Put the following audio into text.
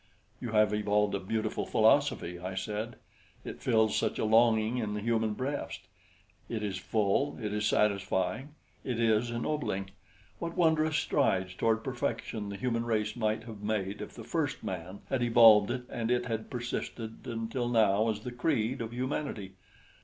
"You have evolved a beautiful philosophy," I said. "It fills such a longing in the human breast. It is full, it is satisfying, it is ennobling. What wondrous strides toward perfection the human race might have made if the first man had evolved it and it had persisted until now as the creed of humanity."